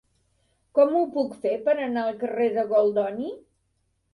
Com ho puc fer per anar al carrer de Goldoni?